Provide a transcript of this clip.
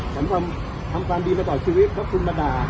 ฉันทำทำความดีในปันชีวิตเพราะคุณมาด่า